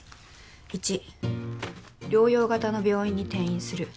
１療養型の病院に転院する。